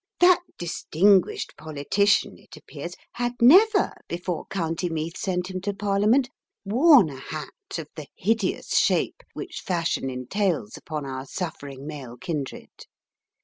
That distinguished politician, it appears, had never, before County Meath sent him to Parliament, worn a hat of the hideous shape which fashion entails upon our suffering male kindred.